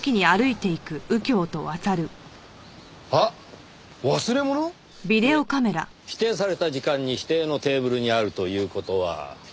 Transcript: いえ指定された時間に指定のテーブルにあるという事は。